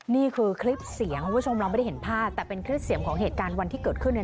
นี่คือคลิปเสียงคุณผู้ชมเราไม่ได้เห็นภาพแต่เป็นคลิปเสียงของเหตุการณ์วันที่เกิดขึ้นเนี่ย